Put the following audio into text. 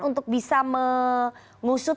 untuk bisa mengusut